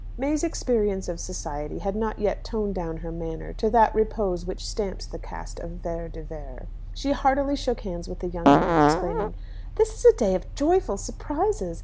May's experience of society had not yet toned down her manner to "that repose which stamps the caste of Vere de Vere." She heartily shook hands with the young man, exclaiming, "This is a day of joyful surprises.